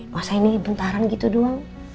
masa ini bentaran gitu doang